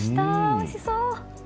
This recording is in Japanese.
おいしそう！